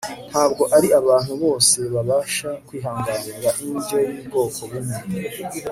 ntabwo ari abantu bose babasha kwihanganira indyo y'ubwoko bumwe